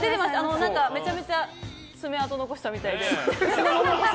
めちゃめちゃ爪痕を残したみたいで。